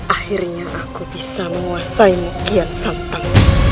akhirnya aku bisa menguasai mungkin santan